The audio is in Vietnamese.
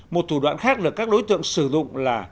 một thủ đoạn khác được các đối tượng sử dụng là